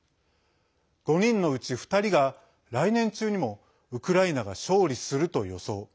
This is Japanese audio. ５人のうち２人が、来年中にもウクライナが勝利すると予想。